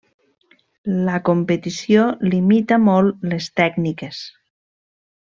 La competició limita molt les tècniques.